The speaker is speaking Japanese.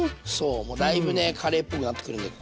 もうだいぶねカレーっぽくなってくるんだよ